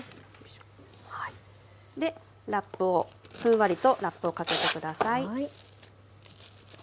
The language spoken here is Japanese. でラップをふんわりとラップをかけて下さい。